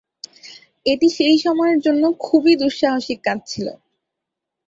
এটি সেই সময়ের জন্য খুবই দুঃসাহসিক কাজ ছিল।